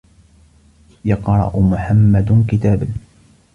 يَقْرَأُ مُحَمَّدٌ كِتَابًا.